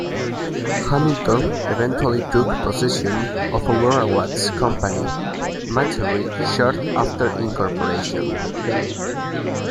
Hamilton eventually took possession of Aurora Watch Company's machinery shortly after incorporation.